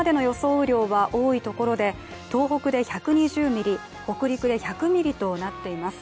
雨量は多いところで東北で１２０ミリ、北陸で１００ミリとなっています。